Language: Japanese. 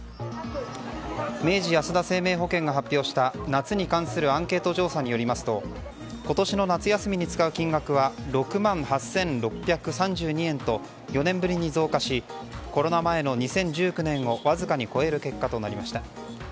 明治安田生命保険が発表した夏に関するアンケート調査によりますと今年の夏休みに使う金額は６万８６３２円と４年ぶりに増加しコロナ前の２０１９年をわずかに超える結果となりました。